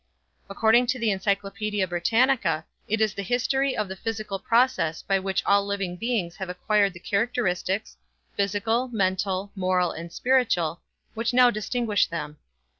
According to the Encyclopedia Britannica it is the history of the physical process by which all living beings have acquired the characteristics, physical, mental, moral, and spiritual, which now distinguish them.